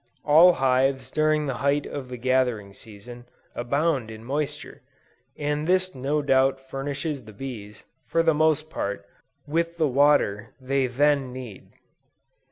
All hives during the height of the gathering season, abound in moisture, and this no doubt furnishes the bees, for the most part, with the water they then need.